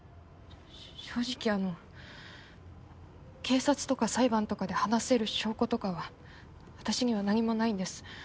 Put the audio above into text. し正直あの警察とか裁判とかで話せる証拠とかは私には何もないんです。